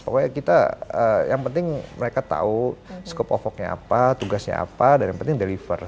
pokoknya kita yang penting mereka tau scope of worknya apa tugasnya apa dan yang penting deliver